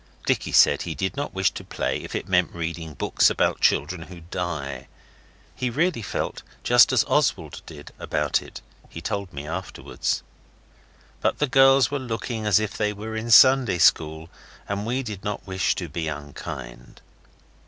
Dicky said he did not wish to play if it meant reading books about children who die; he really felt just as Oswald did about it, he told me afterwards. But the girls were looking as if they were in Sunday school, and we did not wish to be unkind.